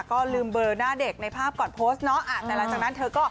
ก็ลืมเบอร์หน้าเด็กในภาพก่อนโพสต์เนาะ